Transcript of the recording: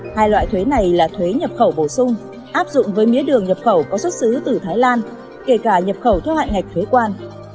hai loại thuế này là thuế nhập khẩu bổ sung áp dụng với mía đường nhập khẩu có xuất xứ từ thái lan kể cả nhập khẩu theo hạn ngạch thuế quan